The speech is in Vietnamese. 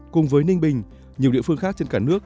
cùng với ninh bình nhiều địa phương khác trên cả nước